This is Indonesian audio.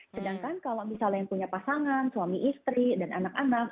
sedangkan kalau misalnya yang punya pasangan suami istri dan anak anak